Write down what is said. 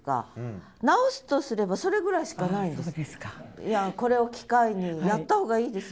いやこれを機会にやったほうがいいですよ。